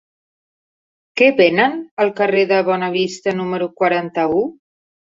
Què venen al carrer de Bonavista número quaranta-u?